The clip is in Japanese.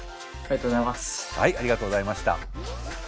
ありがとうございます。